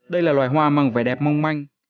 đây là loài hoa mang vẻ đẹp mong manh